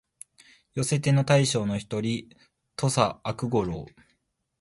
寄せ手の大将の一人、土岐悪五郎